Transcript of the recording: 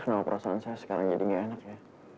kenapa perasaan saya sekarang jadi nggak enak ya